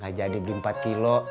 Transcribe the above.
gak jadi beli empat kilo